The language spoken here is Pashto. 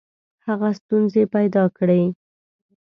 هغه ستونزي پیدا کړې.